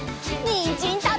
にんじんたべるよ！